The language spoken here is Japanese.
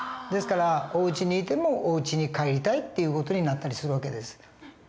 ですからおうちにいてもおうちに帰りたいっていう事になったりする訳です。